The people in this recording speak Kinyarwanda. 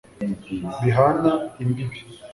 bihana imbibi